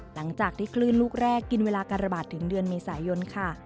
หลังจากที่คลื่นลูกแรกกินเวลาการระบาดถึงเดือนเมษายนค่ะ